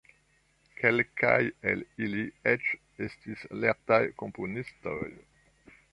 Kelkaj el ili eĉ estis lertaj komponistoj.